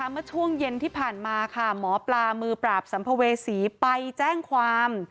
เมื่อช่วงเย็นที่ผ่านมาค่ะหมอปลามือปราบสัมภเวษีไปแจ้งความ